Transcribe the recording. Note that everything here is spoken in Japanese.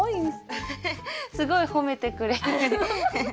アハハッすごい褒めてくれて。